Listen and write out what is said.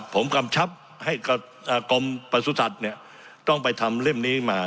ผมกำชับให้กรมประสุทธิ์เนี่ยต้องไปทำเล่มนี้มา